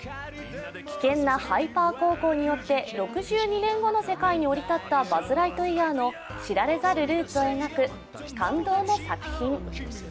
危険なハイパー航行によって６２年後の世界に降り立ったバズ・ライトイヤーの知られざるルーツを描く感動の作品。